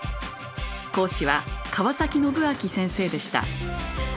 講師は川宣昭先生でした。